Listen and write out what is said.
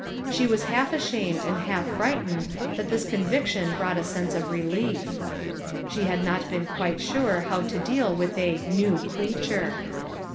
She was half ashamed and half frightened that this conviction brought a sense of relief. She had not been quite sure how to deal with a "now creature."